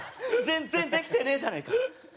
全然できてねえじゃねえか。